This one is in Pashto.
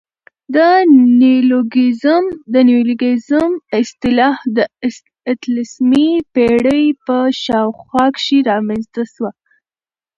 د نیولوګیزم اصطلاح د اتلسمي پېړۍ په شاوخوا کښي رامنځ ته سوه.